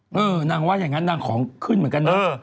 เพราะอย่างงั้นหนังของขึ้นเหมือนกันนะ